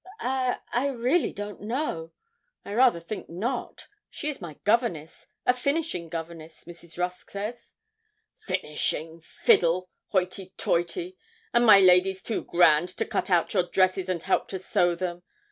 'I I really don't know; I rather think not. She is my governess a finishing governess, Mrs. Rusk says.' 'Finishing fiddle! Hoity toity! and my lady's too grand to cut out your dresses and help to sew them?